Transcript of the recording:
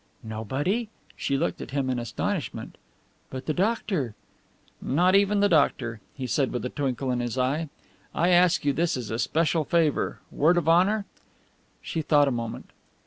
"Nobody?" she looked at him in astonishment. "But the doctor " "Not even the doctor," he said with a twinkle in his eye. "I ask you this as a special favour word of honour?" She thought a moment.